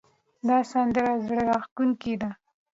دا سندره زړه راښکونکې ده